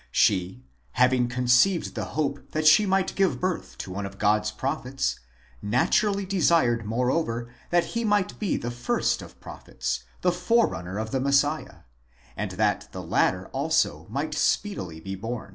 She, having conceived the hope that she might give birth to one of God's prophets, naturally desired moreover that he might be the first of prophets, the forerunner of the Messiah; and that the latter also might speedily be born.